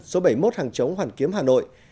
số bảy mươi một hàng chống hoàn kiếm hà nội